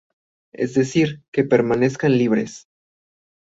Es decir, que permanezcan libres.